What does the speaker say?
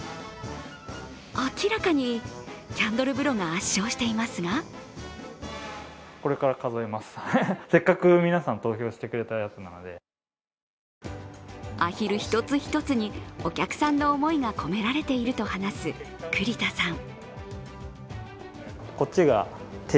明らかに、キャンドル風呂が圧勝していますがアヒル一つ一つにお客さんの思いが込められていると話す栗田さん。